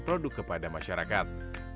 produk kepada masyarakat